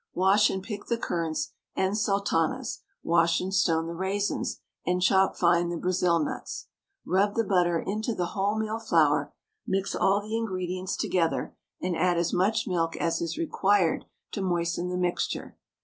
Wash and pick the currants and sultanas, wash and stone the raisins, and chop fine the Brazil nuts. Rub the butter into the wholemeal flour, mix all the ingredients together, and add as much milk as is required to moisten the mixture.